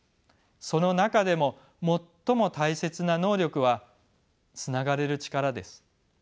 その中でも最も大切な能力はつながれる力です。